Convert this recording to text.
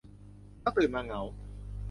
แล้วตื่นมาเหงา